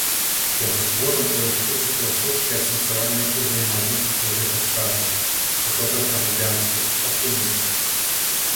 Яго творам уласцівы філасофскае асэнсаванне ўзаемаадносін чалавека з часам, высокая грамадзянскасць, аптымізм.